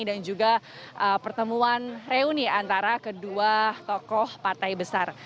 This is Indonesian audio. dan juga pertemuan reuni antara kedua tokoh partai besar